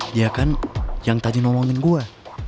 dia kan yang tadi ngomongin gue